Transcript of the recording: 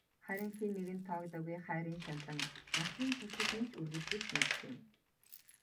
Харин хэн нэгэнд тоогдоогүй хайрын шаналан насан туршид минь ч үргэлжилж мэдэх юм.